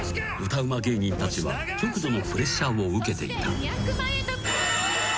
芸人たちは極度のプレッシャーを受けていた］